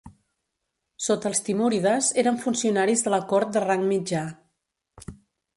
Sota els timúrides eren funcionaris de la cort de rang mitjà.